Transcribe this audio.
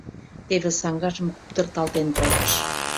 Теве саҥгажым куптырталтен колтыш.